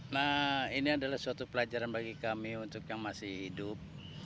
nah ini adalah suatu pelajaran bagi kami untuk yang masih hidup